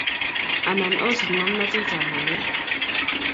Anan osich ngomnatetab ngalek